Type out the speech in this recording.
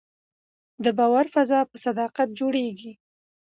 د باور فضا په صداقت جوړېږي